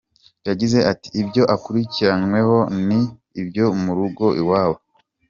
Yagize ati “Ibyo akurikiranweho ni ibyo mu rugo iwabo.